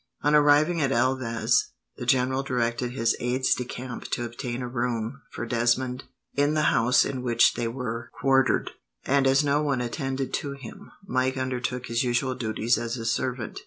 On arriving at Elvas, the general directed his aides de camp to obtain a room, for Desmond, in the house in which they were quartered; and as no one attended to him, Mike undertook his usual duties as his servant.